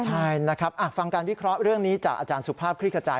ใช่นะครับฟังการวิเคราะห์เรื่องนี้จากอาจารย์สุภาพคลิกกระจาย